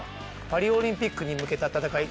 パリオリンピックに向けた戦い